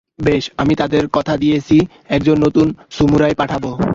বেশ, আমি তাদের কথা দিয়েছি একজন নতুন সামুরাই পাঠাবো।